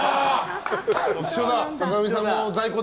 一緒だ。